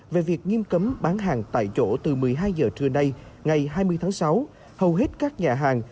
về việc nghiêm cấm bán hàng tại chỗ từ một mươi hai h trưa nay ngày hai mươi tháng sáu hầu hết các nhà hàng